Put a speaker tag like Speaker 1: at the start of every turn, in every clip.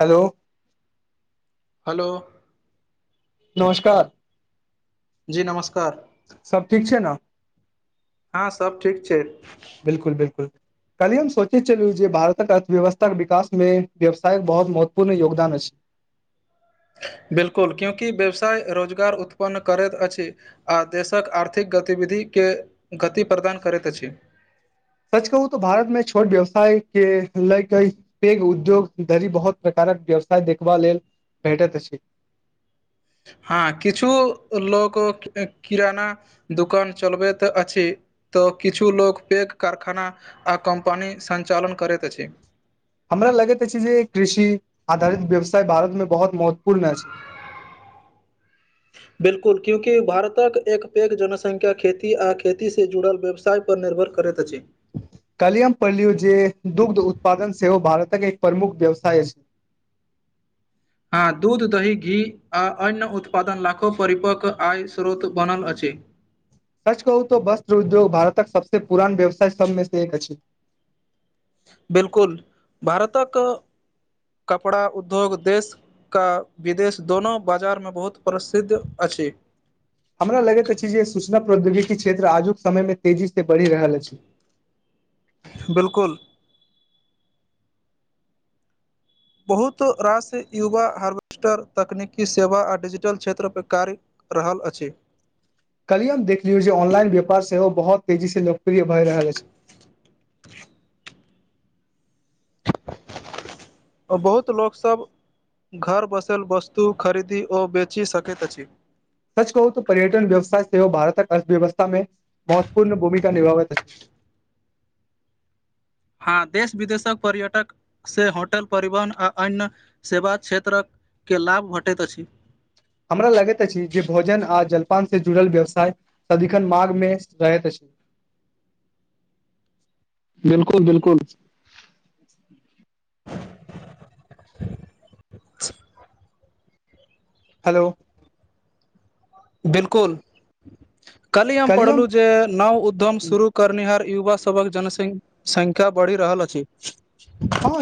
Speaker 1: hello
Speaker 2: hello
Speaker 1: नमस्कार
Speaker 2: जी नमस्कार
Speaker 1: सब ठीक छै ने
Speaker 2: हँ सब ठीक छय
Speaker 1: बिल्कुल बिल्कुल कल्ही हम सोचे छलु जे भारतक अर्थव्यवस्था के विकास मे व्यवसायक बहुत महत्वपूर्ण योगदान अछि
Speaker 2: बिलकुल क्योँकि व्यवसाय रोजगार उत्पन्न करैत अछि आ देशक आर्थिक गतिविधिके गति प्रदान करैत अछि
Speaker 1: सच कहू तऽ भारत में छोट व्यवसाय के लए कई पेघ उद्योग धरि बहुत प्रकारक व्यवसाय देखबा लेल भेटैत अछि
Speaker 2: हँ किछु लेके किराना दुकान चलबैत अछि तऽ किछु लोक पैघ कारखाना आ कम्पनी सञ्चालन करैत अछि
Speaker 1: हमरा लागैत अछि जे कृषि आधारित व्यवसाय भारत में बहुत महत्वपूर्ण अछि [inaudible]
Speaker 2: बिलकुल क्यंभारतक एक पैघ जनसंख्या खेती आ खेती से जुड़ल व्यवसाय सए पर निर्भर करैत अछि
Speaker 1: काल्हि हम पढ़लू जे दुग्ध उत्पादन सेहो भारतक एक प्रमुख व्यवसाय छै
Speaker 2: हँ दूध दही घी आ अन्य उत्पादन लाखो परिपक आय स्रोत बनल अछि
Speaker 1: सच कहु तऽ वस्त्र उद्योग भारतक सबसे पुरान व्यवसाय सबमे से एक अछि
Speaker 2: बिलकुल भारतक कपड़ा उद्योग देश क विदेश दोनो बाजार में बहुत प्रसिद्ध अछि
Speaker 1: हमरा लगैत अछि जे सूचना प्रौद्योगिकी क्षेत्र आजुक समय मे तेजी से बढ़ि रहल अछि
Speaker 2: बिलकुल बहुत रास युवा हार्वेस्टर तकनीकी सेवा आ डिजिटल क्षेत्र पे कार्य रहल अछि
Speaker 1: कलि हम देखलियौ जे ऑनलाइन्यापार सेहो बहुत तेजी से लोकप्रिय भए रहल अछि
Speaker 2: बहुत लोकसब घर बसाएल वस्तु खरीदी ओ बेचि सकैत अछि
Speaker 1: सच कहूऽ पर्यटन व्यवसाय सेहो भारतक अर्थव्यवस्था में महत्वपूर्ण भूमिका निभाबैत ह अछि
Speaker 2: हँ देश विदेशक पर्यटक से होटल परिवहन आ अन्य सेवा क्षेत्रक के लाभ भेटैत अछि
Speaker 1: हमरा लगैत अछि जे भोजन आ जलपान से जुड़ल व्यवसाय सदिखन माघ मे रहैत अछि
Speaker 2: बिल्कुल बिल्कुल [unintelligible]
Speaker 1: हेलो
Speaker 2: बिल्कुल कल्हि हम पढ़लहुँ जे नव उद्यम शुरू करनिहार युवा सभक जन संख्या बढ़ि रहल अछि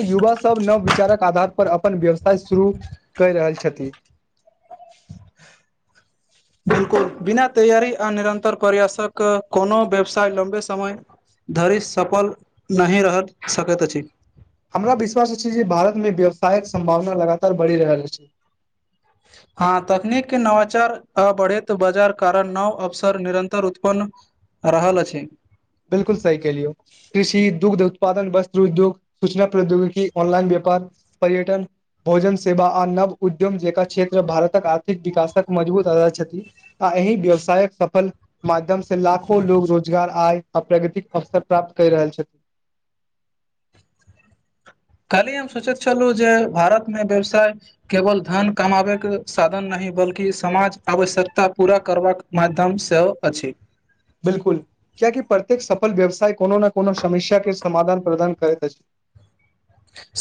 Speaker 1: युवा सब नव विचारक आधार पर अपन व्यवसाय शुरू कर रहल छथिन
Speaker 2: बिल्कुल बिना तैयारी आ निरन्तर प्रयासक कोनो व्यवसाय लम्बे समय धरि सफल नहि रहि सकत अछि
Speaker 1: हमरा विश्वास अछि जे भारत मे व्यवसायक सम्भावना लगातार बढ़ि रहल अछि
Speaker 2: हँ तकनीक के नवाचार अ बढ़ैत बाजार कारण नव अवसर निरन्तर उत्पन्न रहल अछि
Speaker 1: बिलकुल सही केलियौ कृषि दुग्ध उत्पादन वस्त्र उद्योग सूचना प्रौद्योगिकी ऑनलाइन व्यापार पर्यटन भोजन सेवा आ नव उद्यम जेका क्षेत्र भारतक आर्थिक विकासक मजबूत आधार छथि आ अही व्यवसायक सफल माध्यम से लाखो लोग रोजगार आय अपन प्रगतिक अवसर प्राप्त करि रहल छथिन
Speaker 2: कल्हि हम सोचैत छलहुँ जे भारतमे व्यवसाय केवल धन कमाबैके साधन नहि बल्कि समाज आवश्यकता पूरा करबाक माध्यम सेहो अछि
Speaker 1: बिल्कुल कियाकि प्रत्येक सफल व्यवसाय कोनो ने कोनो समस्या के समाधान प्रदान करैत अछि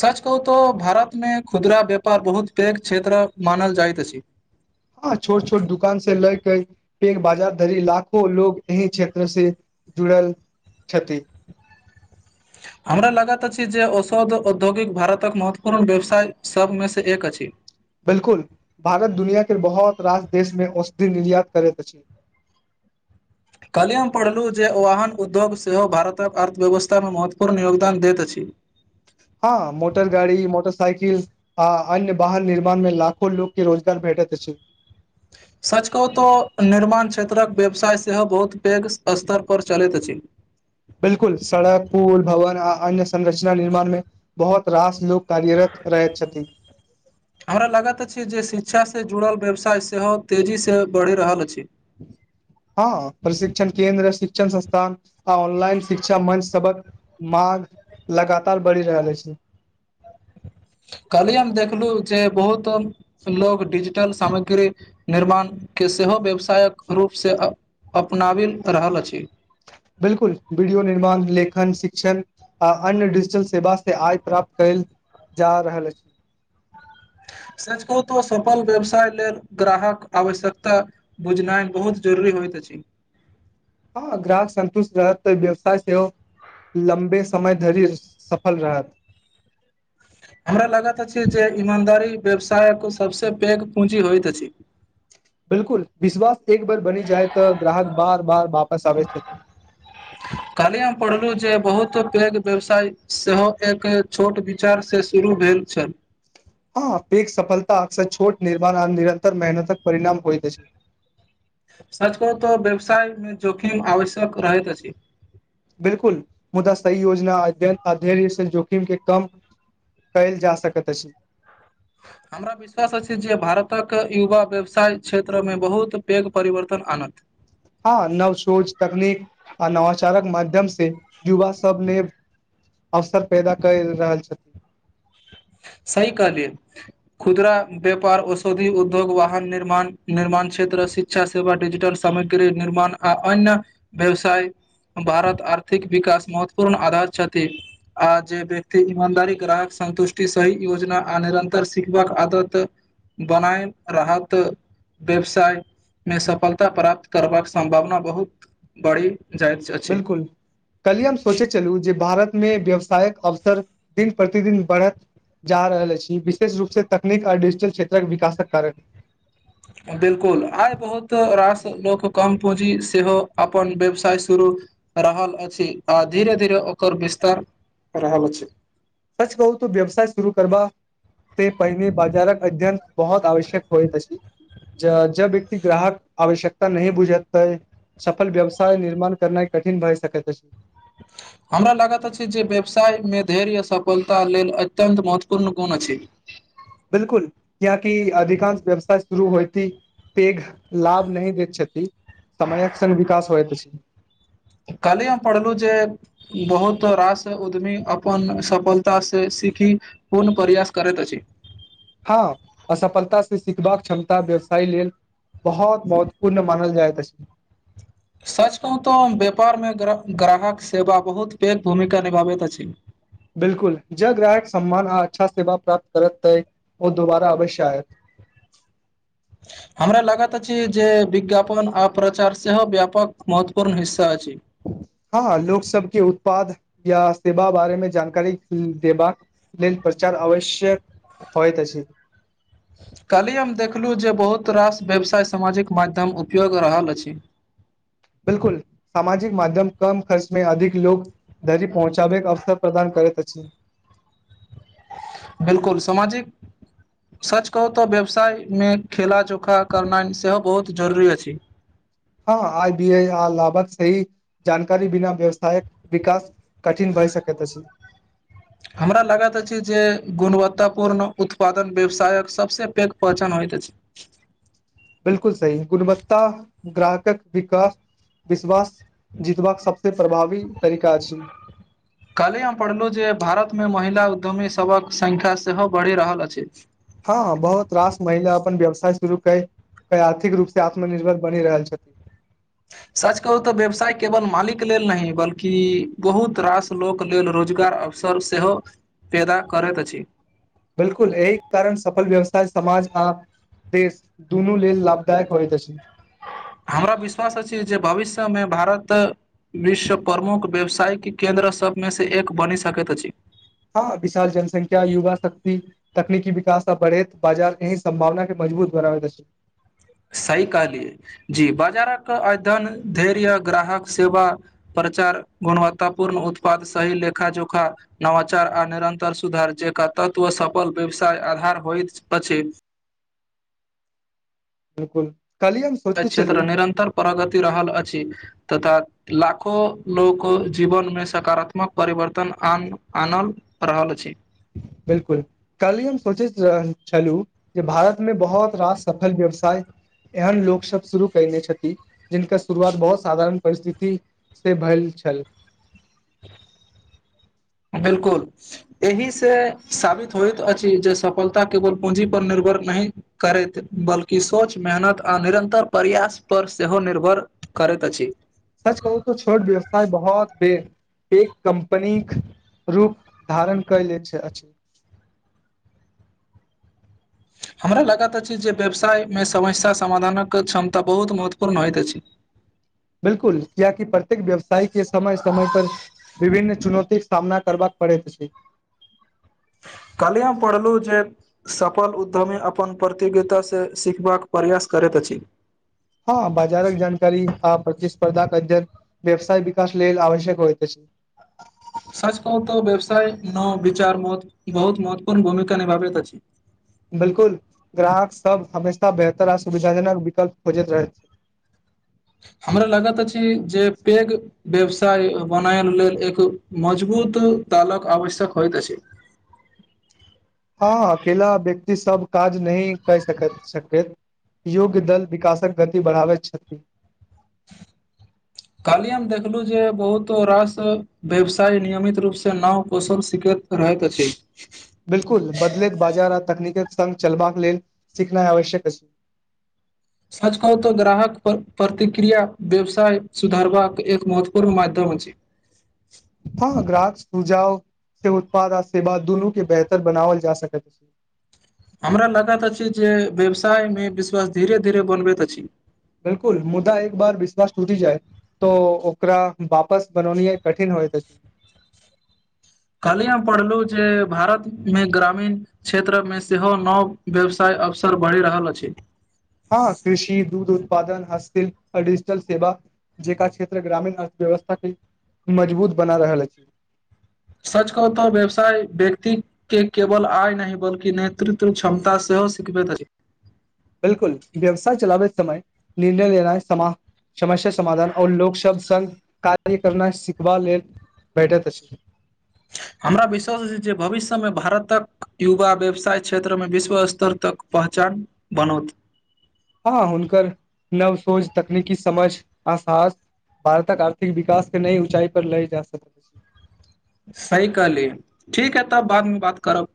Speaker 2: सच कहू तऽ भारत मे खुदरा व्यापार बहुत पैघ क्षेत्र मानल जाइत अछि
Speaker 1: हँ छोट छोट दुकान से लए के पैघ बाजार धरी लाखो लोग एहीं क्षेत्र से जुड़ल छथि
Speaker 2: हमरा लागत अछि जे औषध औद्योगिक भारतक महत्वपूर्ण व्यवसाय सबमे से एक अछि
Speaker 1: बिल्कुल भारत दुनिया के बहुत रास देश मे औषधि निर्यात करैत अछि
Speaker 2: कल्हिमे पढ़लहुँ जे ओाहन उद्योग सेहो भारतक अर्थव्यवस्थामे महत्वपूर्ण योगदान दैत अछि
Speaker 1: हँ मोटर गाड़ी मोटर साइकिल आ अन्य वाहन निर्माण में लाखो लोक के रोजगार भेटैत अछि
Speaker 2: सच कहु त निर्माण क्षेत्रक व्यवसाय सेहो बहुत पैघ स्तर पर चलैत अछि
Speaker 1: बिल्कुल सड़क पूल भवन आ अन्य संरचना निर्माण मे बहुत रास लोक कार्यरत रहय छथि
Speaker 2: हमरा लागत अछि जे शिक्षा से जुड़ल व्यवसाय सेहो तेजी से बढ़ि रहल अछि
Speaker 1: ह हँ प्रशिक्षण केन्द्र शिक्षण संस्थान आ ऑनलाइन शिक्षा मंच सबहक माघ लगातार बढ़ि रहल अछि
Speaker 2: कहलियी हम देखलहुँ जे बहुत लोग डिजिटल सामग्री निर्माण के सेहो व्यवसायक रूप से अपनाबि रहल अछि
Speaker 1: बिलकुल वीडियो निर्माण लेखन शिक्षण आ अन्य डिजिटल सेवा से आय प्राप्त कयल जा रहल अछि
Speaker 2: सच कहु त सफल व्यवसाय लेल ग्राहक आवश्यकता बुझनाइ बहुत जरुरी होइत अछि
Speaker 1: हँ ग्राहक सन्ष्ट रहत त व्यवसाय सेहो लम्बे समय धरि सफल रहत
Speaker 2: हमरा लागत अछि जे ईमानदारी व्यवसायक सबस पैघ पूंजी होइत अछि
Speaker 1: बिल्कुल विश्वास एक बेर बनी जाइ त ग्राहक बार बार वापस आबे छै
Speaker 2: कल्हि हम पढ़लूं जे बहुत पैघ व्यवसाय सेहो एक छोट पचार से शुरू भेल छल
Speaker 1: हँ पैघ सफलता अक्सर छोट निर्माण आ निरंतर मेहनतक परिणाम होइत अछि
Speaker 2: सच करू तऽ व्यवसाय में जोखिम आवश्यक रहैत अछि
Speaker 1: बिल्कुल मुदा सही योजना अध्ययन आ धैर्य से जोखिम के कम कैल जा सकत छै
Speaker 2: हमरा विश्वास अछि जे भारतक युवा व्यवसाय क्षेत्रमें बहुत पैघ परिवर्तन आनत
Speaker 1: हँ नव सोच तकनीक आ नवाचारक माध्यम से युवा सब ने अवसर पैदा कर रहल छथिन
Speaker 2: सही कहलाये खुदरा व्यापार औषधी उद्योग वाहन निर्माण निर्माण क्षेत्र शिक्षा सेवा डिजिटल सामग्री निर्माण आ अन्य व्यवसाय भारत आर्थिक विकास महत्वपूर्ण आधारित छथि आ जे व्यक्ति ईमानदारी ग्राहक संन्तुष्ट सही योजना आ निरन्तर सिखबाक आदत बनाय रहत व्यवसाय में सफलता प्राप्त करबाक सम्भावना बहुत बढ़ी
Speaker 1: बिलकुल कल्हि हम सोचै छलूं जे भारत में व्यवसायक अवसर दिन प्रतिदिन बढ़त जा रहल अछि विशेष रूप से तकनीक आ डिजिटल क्षेत्रक विकासक कारण
Speaker 2: बिलकुल आइ बहुत रास लोक कम पूँजी सेहो अपन व्यवसाय शुरू रहल अछि आ धीरे धीरे ओकर विस्तार रहल अछि
Speaker 1: सच कहू त व्यवसाय शुरू करबा से पहिने बाजारक अध्ययन बहुत आवश्यक होइत अइछ जब व्यक्ति ग्राहक आवश्यकता नहि बुझतै सफल व्यवसाय निर्माण करना कठिन भए सकै छै
Speaker 2: [unintelligible] हमरा लागैत अछि जे व्यवसाय मे धैर्य आ सफलता लेल अत्यन्त महत्वपूर्ण गुण अछि
Speaker 1: बिलकुल यहाँ की अधिकांश व्यवसाय शुरू होइ त पेघ लाभ नहि दैत छथि समयक संग विकास होइत अछि
Speaker 2: काल्हि हम पढ़लहु जे बहुत रास उद्यमी अपन सफलता से सीखी पूर्ण प्रयास करैत अछि
Speaker 1: हँ असफलता से सिखबाक क्षमता व्यवसाय लेल बहुत महत्वपूर्ण मानल जायत अछि
Speaker 2: सच कहू तऽ व्यापार में ग्राहक सेवा बहुत पैघ भूमिका निभाबैत अछि
Speaker 1: बिल्कुल ज ग्राहक सम्मान आ अच्छा सेवा प्राप्त करत तै ओ दुोबारा अवश्य आयत
Speaker 2: हमरा लागत अछि जे विज्ञापन आ प्रचार सेहो व्यापक महत्वपूर्ण हिस्सा अछि
Speaker 1: हँ लोक सबके उत्पाद या सेवा बारेमें जानकारी देबाक ल प्रचार आवश्यक होइ तऽ छै
Speaker 2: काल्हि हम देखलहुँ जे बहुत रास व्यवसाय सामाजिक माध्यम उपयोग रहल अछि
Speaker 1: बिल्कुल सामाजिक माध्यम कम खर्च में अधिक लोक धरी पहुँचा बैके अवसर प्रदान करैत अछि
Speaker 2: बिलकुल समाजिक सच कहू तऽ व्यवसाय मे खेला जोखा करनाइ सेहो बहुत जरुरी अछि
Speaker 1: हँ आइ बी आ लाभक सही जानकारी बिना व्यवसायक विकास कठिन भए सकत छै
Speaker 2: हमरा लागैत अछि जे गुणवत्तापूर्ण उत्पादन व्यवसायक सबसे पैघ पहचान होइत अछि
Speaker 1: बिल्कुल सी गुणवत्ता ग्राहकक विकास विश्वास जीतबाक सबसे प्रभावी तरीका अछि
Speaker 2: कल्हि हम पढ़लू जे भारत मे महिला उद्यमी सबक संख्या सेहो बढ़ि रहल अछि
Speaker 1: हँ हँ बहुत रास महिला अपन व्यवसाय शुरू कै कै आर्थिक रूप से आत्मनिर्भर बनि रहल छथिन
Speaker 2: सच कहू तऽ व्यवसाय केवल मालिक लेल न बल्कि बहुत रास लोक लेल रोजगार अवसर सेहो पैदा करैत अछि
Speaker 1: बिल्कुल एहि कारण सफल व्यवसाय समाज आ देश दुनू लेल लाभ दाई करत अछि
Speaker 2: हमरा विश्वास अछि जे भविष्य में भारत विश्व प्रमुख व्यवसायिक केन्द्र सभमेसँ एक बनि सकैत अछि
Speaker 1: हँ विशाल जनसंख्या युवा शक्ति तकनीकी विकास आ बढ़ैत बाजार एही संभावना के मजबूत बनाबैत अछि
Speaker 2: सही कहलियै जी बाजारक अध्ययन धैर्य ग्राहक सेवा प्रचार गुणवत्तापूर्ण उत्पाद सही लेखा जोखा नवचार आ निरन्तर सुधार जे क तत्व सफल व्यवसाय आधार होइत अछि
Speaker 1: बिल्कुल कल्हि हम सोचैत
Speaker 2: क्षेत्र
Speaker 1: छलु
Speaker 2: निरन्तर प्रगति रहल अछि तथा लाखो लोक जीवन मे सकारात्मक परिवर्तनन आनल रहल छी
Speaker 1: बिल्कुल कल्हि हम सोचैत रहल छलहुँ जे भारत मे बहौत रास सफल व्यवसाय एहन लोक सब शुरू कैने छथि जिनका शुरुआत बहुत साधारण परिस्थिति से भैल छल
Speaker 2: बिल्कुल एहि से साबित होइत अछि जे सफलता केवल पूंजी पर निर्भर नहि करैत बल्कि सोच मेहनत आ निरन्तर प्रयास पर सेहो निर्भर करत अछी
Speaker 1: सच कहू तो छोट व्यवसाय बहुत बे एक कम्पनी के रूप धारण कले छै अछि
Speaker 2: हमरा लागत अछि जे व्यवसाय मे समस्या समाधानक क्षमता बहुत महत्वपूर्ण होइत अछि
Speaker 1: बिल्कुल कियाकि प्रत्येक व्यवसाय के समय समय पर विभिन्न चुनौती के सामना करबाका पड़ैत अछी
Speaker 2: कल्हि हम पढ़लहुँ जे सफल उद्यमी अपन प्रतियोगितासँ सिखबाक प्रयास करैत अछि
Speaker 1: हँ बाजारक जानकारी आ प्रतिस्पर्धाक अर व्यवसाय विकास लेल आवश्यक होयइत छै [inaudible]
Speaker 2: सच कहू तऽ व्यवसाय न विचार मत बहुत महत्वपूर्ण भूमिका निभाबैत अछि
Speaker 1: बिल्कुल ग्राहक सब हमेशा बेहतर आ सुविधाजनक विकल्प खोजैत रहैत
Speaker 2: हमरा लागत अछि जे पैघ व्यवसाय बनयल लेल एक मजबूत तालक आवश्यक होइत छै
Speaker 1: हँ अकेला व्यक्ति सब काज नहि कै सकैत छथि योग्य दल विकासक गति बढ़ाबैत छथि
Speaker 2: काल्ही हम देखलूँ जे बहुतो रास व्यवसाय नियमित रूपसँ नव कौशल सिखैत रहैतऽ अछि
Speaker 1: बिल्कुल बदलैत बाजार आ तकनीकक संघ चलबाक लेल सिखनाई आवश्यक अछि
Speaker 2: सच कहू तऽ ग्राहक पर प्रतिक्रिया व्यवसाय सुधारबाक एक महत्वपूर्ण माध्यम अछि
Speaker 1: हँ ग्राहक उजा से उत्पाद आ सेवा दुनू के बेहतर बनाओल जा सकै
Speaker 2: हमरा लागत अछि जे व्यवसाय मे विश्वास धीरे धीरे बनबैत अछि
Speaker 1: बिल्कुल मुद्दा एक बार विश्वास टूटी जाय तो ओकरा वापस बनौनी ह कठिन होयत अछि
Speaker 2: काल्हि हम पढ़लहु जे भारत मे ग्रामीण क्षेत्र मे सेहो नव व्यवसाय अवसर बढ़ि रहल अछि
Speaker 1: हँ कृषि दूध उत्पादन हस्त शिल्प आ डिजिटल सेवा जेका क्षेत्र ग्रामीण अर्थव्यवस्था के मजबूत बना रहल अछि
Speaker 2: सच कहु तऽ व्यवसाय व्यक्ति के केवल आय न बल्कि नेतृत्व क्षमता सेहो शिखबैत अछि
Speaker 1: बिल्कुल व्यवसाय चलाबे समय निर्णय लेना सम समस्या समाधान और लोक शब्द संघ कार्य करना सिखबा लेल बैठत अछि
Speaker 2: हमरा विश्वास जे भविष्यमे भारतक युवा व्यवसाय क्षेत्रमे विश्व स्तर तक पहचान बनोत
Speaker 1: हँ हुनकर नव सोच तकनीकी समझ आ साहस भारतक आर्थिक विकास के नई ऊचाई पर लए जा सकै [inaudible]
Speaker 2: सही कहलियै ठीक है तब बादमे बात करब